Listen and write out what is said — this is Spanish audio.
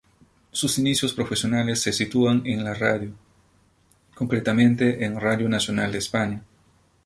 Sus inicios profesionales se sitúan en la radio, concretamente en Radio Nacional de España.